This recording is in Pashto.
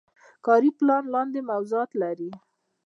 کاري پلان لاندې موضوعات لري.